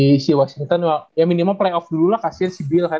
ya oke lah gitu di si washington ya minimal playoff dulu lah kasih si bill kan